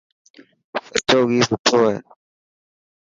سچو گهي سٺو هي.